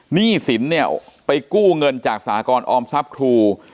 หนี้สินเนี่ยไปกู้เงินจากสากรออมทรัพย์ครู